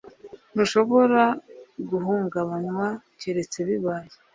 ntushobora guhungabanywa keretse bibaye